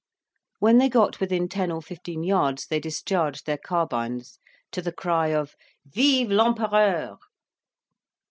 When they got within ten or fifteen yards they discharged their carbines, to the cry of "Vive l' Empereur!"